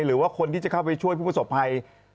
หรือว่าคนที่จะเข้าไปช่วยผู้ประสบภัย